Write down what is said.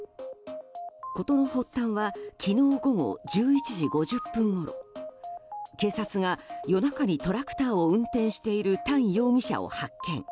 ことの発端は昨日午後１１時５０分ごろ警察が夜中にトラクターを運転しているタン容疑者を発見。